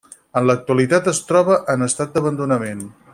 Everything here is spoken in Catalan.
En l'actualitat es troba en estat d'abandonament.